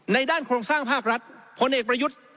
ด้านโครงสร้างภาครัฐผลเอกประยุทธ์